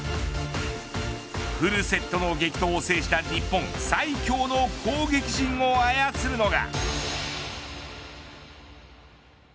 フルセットの激闘を制した日本最強の攻撃陣を操るのが。